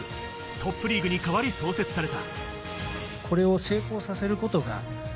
トップリーグに代わり創設された。